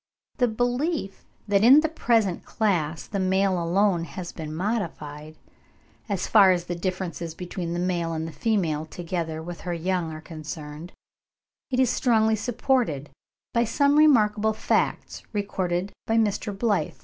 The belief that in the present class the male alone has been modified, as far as the differences between the male and the female together with her young are concerned, is strongly supported by some remarkable facts recorded by Mr. Blyth (5.